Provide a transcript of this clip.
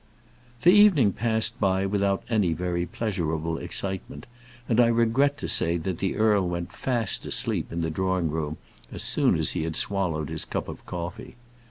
The evening passed by without any very pleasurable excitement, and I regret to say that the earl went fast to sleep in the drawing room as soon as he had swallowed his cup of coffee.